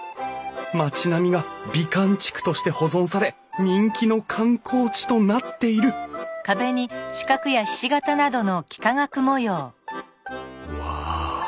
町並みが美観地区として保存され人気の観光地となっているワオ。